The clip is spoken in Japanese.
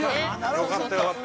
◆よかったよかった。